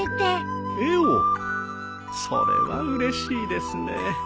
それはうれしいですね。